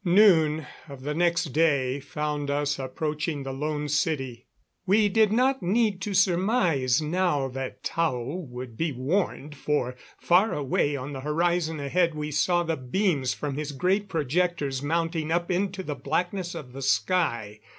Noon of the next day found us approaching the Lone City. We did not need to surmise now that Tao would be warned, for far away on the horizon ahead we saw the beams from his great projectors mounting up into the blackness of the sky.